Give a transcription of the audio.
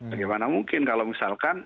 bagaimana mungkin kalau misalkan